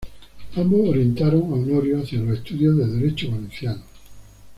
Ambos orientaron a Honorio hacia los estudios de derecho valenciano.